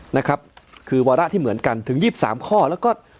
นะครับคือวาระที่เหมือนกันถึง๒๓ข้อแล้วก็